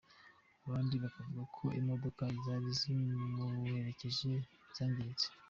Abandi bakavuga ko imodoka zari zimuherekeje zangiritse.